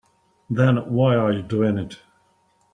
Then why are you doing it?